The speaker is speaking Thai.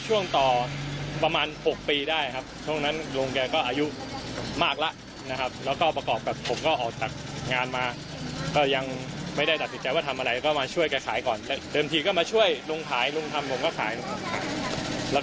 ก็ไม่ได้ตัดสินใจว่าทำอะไรก็มีช่วยอากาศแบบเขาก็ก็มาช่วยลงขายลงทำวงก็ขายแล้วก็เรียก